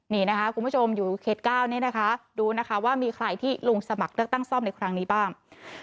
นี่นะคะคุณผู้ชมอยู่เขต๙นี่นะคะดูนะคะว่ามีใครที่ลงสมัครเลือกตั้งซ่อมในครั้งนี้บ้าง